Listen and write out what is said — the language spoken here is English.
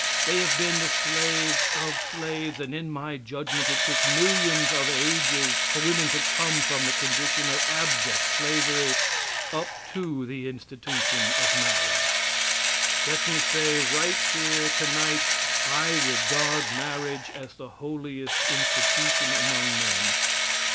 They have been the slaves of slaves; and in my judgment it took millions of ages for women to come from the condition of abject slavery up to the institution of marriage. Let me say right here, tonight, I regard marriage as the holiest institution among men.